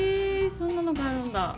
そんなのがあるんだ？